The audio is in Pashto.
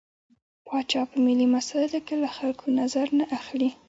پاچا په ملي مسايلو کې له خلکو نظر نه اخلي.